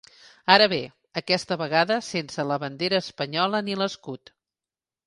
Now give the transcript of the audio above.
Ara bé, aquesta vegada sense la bandera espanyola ni l’escut.